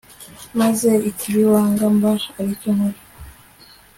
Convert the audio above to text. maze ikibi wanga, mba ari cyo nkora